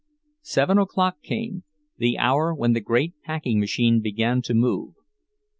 Seven o'clock came, the hour when the great packing machine began to move.